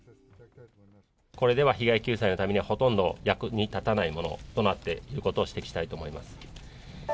これでは被害救済のためにはほとんど役に立たないものとなっていることを指摘したいと思います。